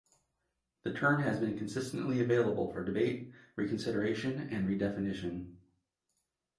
The term has been consistently available for debate, reconsideration, and redefinition.